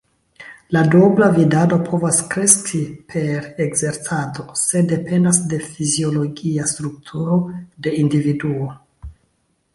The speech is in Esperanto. La duobla vidado povas kreski per ekzercado, sed dependas de fiziologia strukturo de individuo.